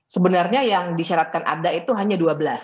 sebenarnya yang disyaratkan ada itu hanya dua belas